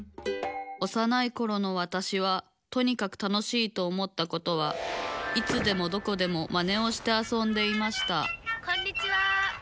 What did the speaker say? おさないころのわたしはとにかく楽しいと思ったことはいつでもどこでもマネをしてあそんでいましたこんにちは。